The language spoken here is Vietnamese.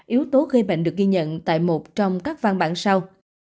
yếu tố gây bệnh được ghi nhận tại một trong các văn bản sau